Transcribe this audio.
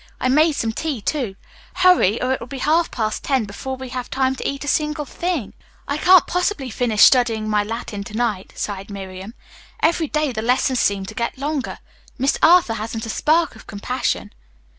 I made some tea, too. Hurry, or it will be half past ten before we have time to eat a single thing." "I can't possibly finish studying my Latin to night," sighed Miriam. "Every day the lessons seem to get longer. Miss Arthur hasn't a spark of compassion."